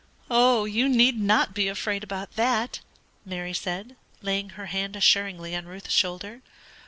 "You need not be afraid about that," Mary said, laying her hand assuringly on Ruth's shoulder.